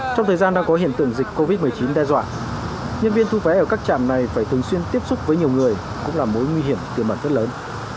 trong thời gian đang có hiện tượng dịch covid một mươi chín đe dọa nhân viên thu vé ở các trạm này phải thường xuyên tiếp xúc với nhiều người cũng là mối nguy hiểm tiềm ẩn rất lớn